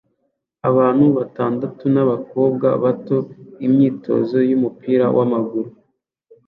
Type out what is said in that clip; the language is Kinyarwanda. Abantu batandatu nabakobwa bato imyitozo yumupira wamaguru